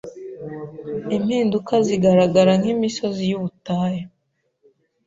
impinduka zigaragara nkimisozi yubutayu